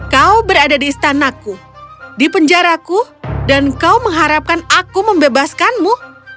kau berada di istanaku di penjaraku dan kau mengharapkan aku membebaskanmu